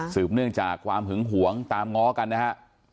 เนื่องจากความหึงหวงตามง้อกันนะฮะ